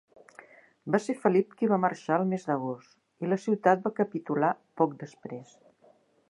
Va ser Felip qui va marxar el mes d'agost, i la ciutat va capitular poc després.